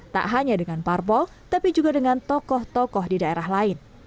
tak hanya dengan parpol tapi juga dengan tokoh tokoh di daerah lain